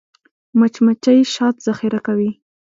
مچمچۍ شات ذخیره کوي